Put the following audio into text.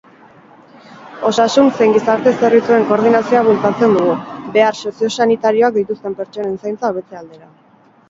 Osasun zein gizarte zerbitzuen koordinazioa bultzatzen dugu, behar soziosanitarioak dituzten pertsonen zaintza hobetze aldera.